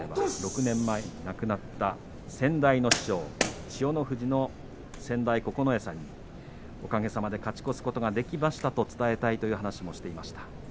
６年前に亡くなった先代の師匠千代の富士の先代九重さんにおかげさまで勝ち越すことができましたと伝えたいと話していました。